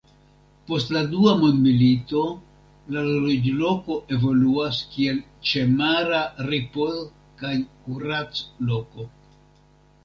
Post la Dua mondmilito la loĝloko evoluas kiel ĉemara ripoz- kaj kurac-loko.